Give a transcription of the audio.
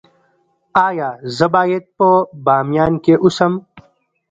ایا زه باید په بامیان کې اوسم؟